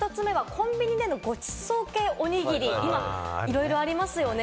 コンビニでのごちそう系おにぎり、今いろいろありますよね。